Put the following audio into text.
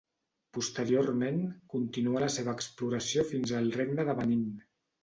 Posteriorment continuà la seva exploració fins al Regne de Benín.